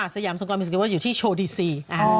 สยามสงกรานมิวสิกเฟสติวัลอยู่ที่โชว์ดีซี